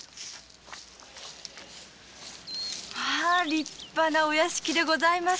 立派なお屋敷でございますね。